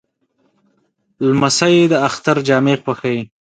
لمسی د اختر جامې خوښوي.